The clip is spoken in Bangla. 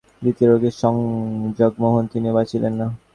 দ্বিতীয় রোগী স্বয়ং জগমোহন, তিনিও বাঁচিলেন না।